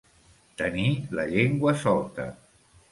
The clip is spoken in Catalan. Tenir la llengua solta.